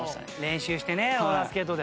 練習してねローラースケートで。